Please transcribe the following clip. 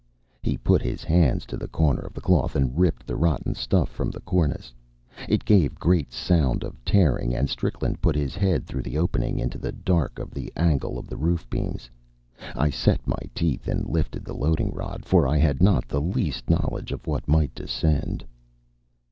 He put his hands to the corner of the cloth and ripped the rotten stuff from the cornice. It gave great sound of tearing, and Strickland put his head through the opening into the dark of the angle of the roof beams. I set my teeth and lifted the loading rod, for I had not the least knowledge of what might descend.